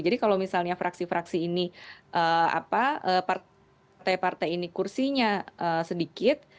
jadi kalau misalnya fraksi fraksi ini partai partai ini kursinya sedikit